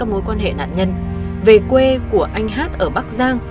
mối quan hệ nạn nhân về quê của anh hát ở bắc giang